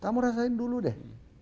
kamu rasain dulu deh